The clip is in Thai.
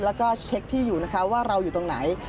แล้วก็เช็คที่อยู่นะคะว่าเราอยู่ตรงไหน